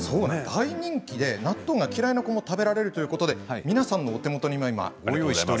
大人気で納豆が嫌いな子も食べられるということで皆さんのお手元にもご用意しました。